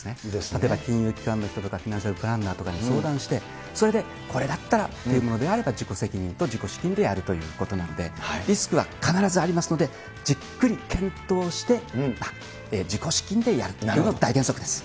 例えば金融機関の人とか、ファイナンシャルプランナーとかに相談して、それでこれだったらというものであったら、自己責任と自己資金でやるということなので、リスクは必ずありますので、じっくり検討して、自己資金でやるということが大原則です。